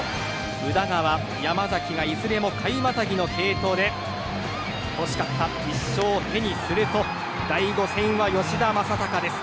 宇田川、山崎がいずれも回またぎの継投で欲しかった１勝を手にすると第５戦は吉田正尚です。